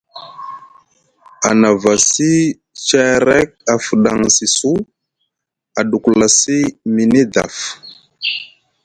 A navasi ceerek a fuɗaŋsi su, a ɗuklasi mini daf.